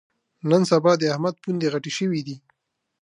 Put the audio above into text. نن سبا د احمد پوندې غټې شوې دي.